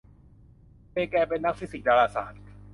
เซแกนเป็นนักฟิสิกส์ดาราศาสตร์